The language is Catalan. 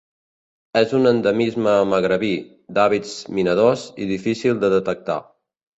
És un endemisme magrebí, d'hàbits minadors i difícil de detectar.